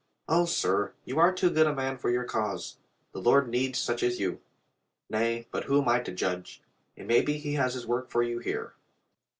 O, sir, you are too good a man for your cause. The Lord needs such as you. Nay, but who am I to judge? It may be He has His work for you here."